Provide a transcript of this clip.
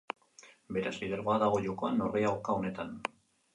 Beraz, lidergoa dago jokoan norgehiagoka honetan.